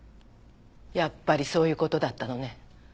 やっぱりそういう事だったのね。